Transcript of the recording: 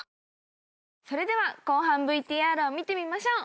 それでは後半ＶＴＲを見てみましょう。